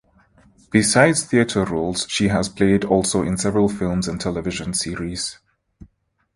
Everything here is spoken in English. Besides theatre roles she has played also in several films and television series.